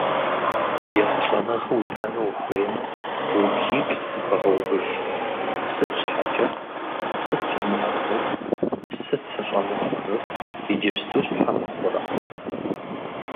Ехъулӏэныгъэ уиӏэну ухуеймэ, упщӏиплӏ зыхуэвгъэувыж: Сыт Щхьэкӏэ? Сыт щӏэмыхъунур? Сыт сыщӏэмыхъунур? Иджыпсту щхьэ мыхъурэ?